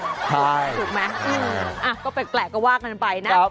ใช่ถูกไหมอืมอ่ะก็เป็นแปลกก็วากกันไปนะ